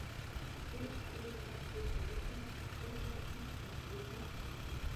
بىر-ئىككى ئېغىز گەپ قىلىپ بولغۇچە چاپانچىلار تەرەپ-تەرەپتىن تالاپ كېتىدۇ.